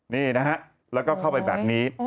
นี่นะฮะแล้วก็เข้าไปแบบนี้